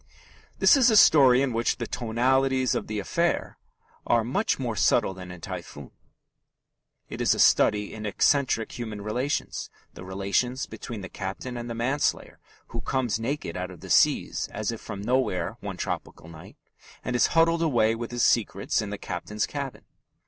This is a story in which the "tonalities of the affair" are much more subtle than in Typhoon. It is a study in eccentric human relations the relations between the captain and the manslayer who comes naked out of the seas as if from nowhere one tropical night, and is huddled away with his secrets in the captain's cabin.